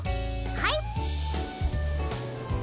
はい。